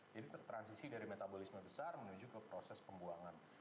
jadi ter transisi dari metabolisme besar menuju ke proses pembuangan